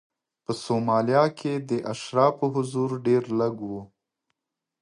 په سومالیا کې د اشرافو حضور ډېر لږ و.